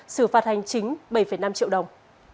sử phạt hành chính bảy năm triệu đồng